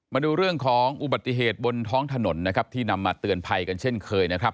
มาดูเรื่องของอุบัติเหตุบนท้องถนนนะครับที่นำมาเตือนภัยกันเช่นเคยนะครับ